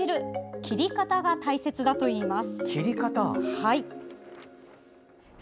切り方が大切だといいます。